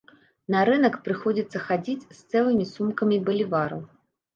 На рынак прыходзіцца хадзіць з цэлымі сумкамі балівараў.